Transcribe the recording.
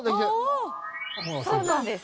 そうなんです。